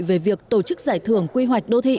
về việc tổ chức giải thưởng quy hoạch đô thị